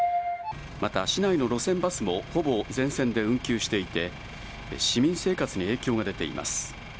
また市内の路線バスも、ほぼ全線で運休していて、市民生活に影響が出ています。